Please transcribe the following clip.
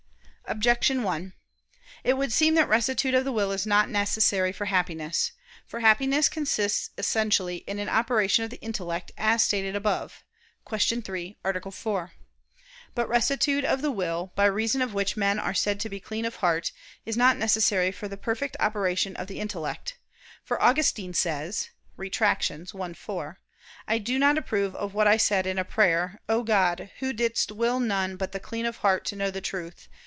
Objection 1: It would seem that rectitude of the will is not necessary for Happiness. For Happiness consists essentially in an operation of the intellect, as stated above (Q. 3, A. 4). But rectitude of the will, by reason of which men are said to be clean of heart, is not necessary for the perfect operation of the intellect: for Augustine says (Retract. i, 4) "I do not approve of what I said in a prayer: O God, Who didst will none but the clean of heart to know the truth.